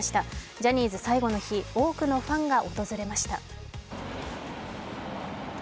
ジャニーズ最後の日、多くのファンが訪れました。